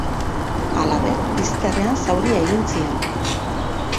Halaber, izterrean zauria egin zion.